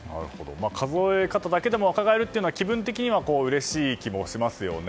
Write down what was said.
数え方だけでも若返るというのは気分的にはうれしい気もしますよね。